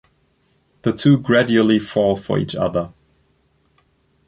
The two gradually fall for each other.